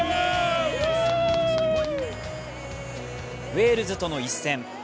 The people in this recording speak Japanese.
ウェールズとの一戦。